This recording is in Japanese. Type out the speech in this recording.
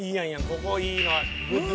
ここいいのある。